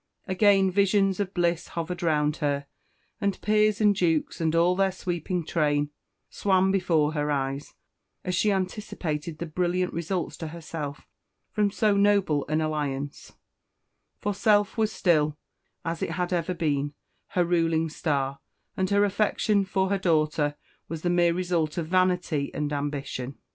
Again visions of bliss hovered around her, and "Peers and Dukes and all their sweeping train" swam before her eyes, as she anticipated the brilliant results to herself from so noble an alliance; for self was still, as it had ever been, her ruling star, and her affection for her daughter was the mere result of vanity and ambition.